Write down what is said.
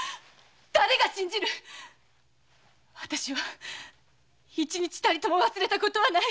わたしは一日たりとも忘れたことはない。